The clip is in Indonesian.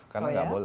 karena nggak boleh